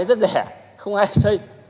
rất rẻ không ai xây